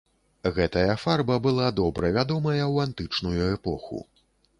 Гэтая фарба была добра вядомая ў антычную эпоху.